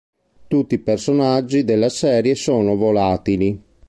Tutti i personaggi della serie sono volatili.